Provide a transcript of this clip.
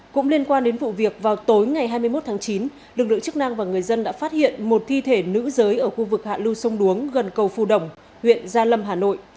cũng liên quan đến vụ việc vào tối ngày hai mươi một tháng chín lực lượng chức năng và người dân đã phát hiện một thi thể nữ giới ở khu vực hạ lưu sông đuống gần cầu phù đồng huyện gia lâm hà nội